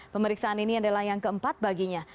pemeriksaan ini adalah yang keempat baginya